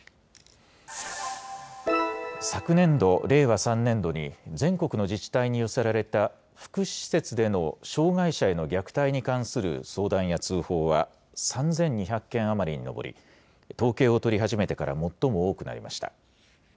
昨年度・令和３年度に全国の自治体に寄せられた福祉施設での障害者への虐待に関する相談や通報は３２００件余りに上り、統計を取り始めてから最も多くなりました。